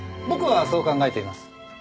僕はそう考えています。